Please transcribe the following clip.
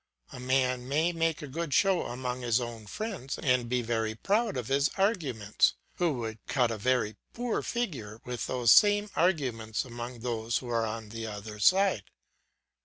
A man may make a good show among his own friends, and be very proud of his arguments, who would cut a very poor figure with those same arguments among those who are on the other side.